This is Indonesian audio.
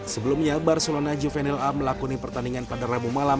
sebelumnya barcelona juvenil a melakoni pertandingan pada rabu malam